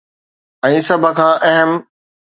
۽ سڀ کان اهم.